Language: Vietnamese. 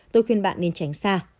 tôi khuyên bạn nên tránh xa